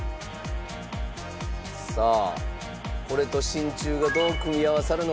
さあこれと真鍮がどう組み合わさるのか？